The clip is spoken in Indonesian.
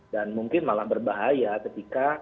mungkin malah berbahaya ketika